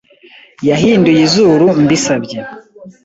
Yahinduye izuru mbisabye.